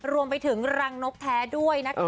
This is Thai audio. รวมไปถึงรังนกแท้ด้วยนะคะ